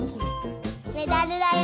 メダルだよ。